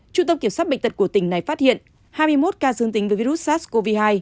trung tâm kiểm soát bệnh tật của tỉnh này phát hiện hai mươi một ca dương tính với virus sars cov hai